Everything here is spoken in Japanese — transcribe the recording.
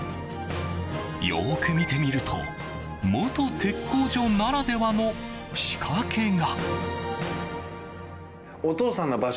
よく見てみると元鉄工所ならではの仕掛けが。